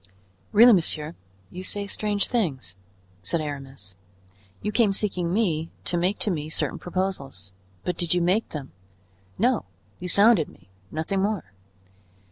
"Really, monsieur, you say strange things," said Aramis. "You came seeking me to make to me certain proposals, but did you make them? No, you sounded me, nothing more.